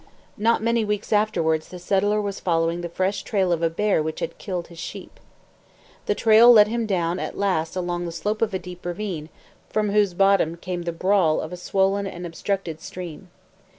Not many weeks afterwards the settler was following the fresh trail of a bear which had killed his sheep. The trail led him at last along the slope of a deep ravine, from whose bottom came the brawl of a swollen and obstructed stream.